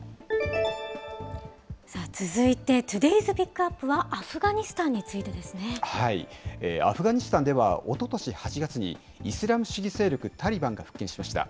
続いてトゥデイズ・ピックアップはアフガニスタンについてでアフガニスタンではおととし８月に、イスラム主義勢力タリバンが復権しました。